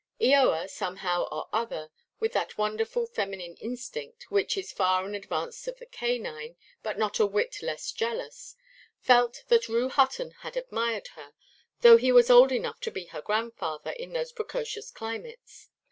Eoa, somehow or other, with that wonderful feminine instinct (which is far in advance of the canine, but not a whit less jealous) felt that Rue Hutton had admired her, though he was old enough to be her grandfather in those precocious climates.